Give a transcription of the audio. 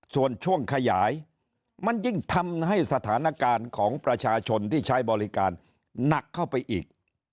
ส่วนช่วงขยายมันยิ่งทำให้สถานการณ์ของประชาชนที่ใช้บริการหนักเข้าไปอีก